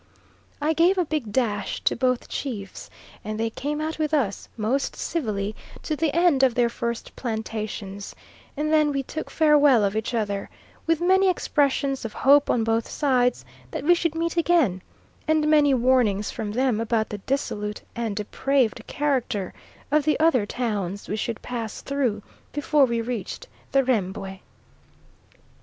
I gave a big dash to both chiefs, and they came out with us, most civilly, to the end of their first plantations; and then we took farewell of each other, with many expressions of hope on both sides that we should meet again, and many warnings from them about the dissolute and depraved character of the other towns we should pass through before we reached the Rembwe.